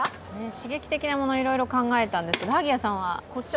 刺激的なもの、いろいろ考えたんですけど萩谷さんは？